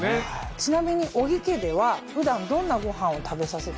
ちなみに小木家では普段どんなごはんを食べさせて。